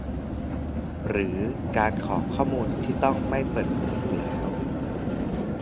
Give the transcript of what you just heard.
หรือการขอข้อมูลที่ต้องไม่เปิดเผยอยู่แล้ว